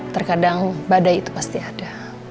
terkadang badai itu pasti ada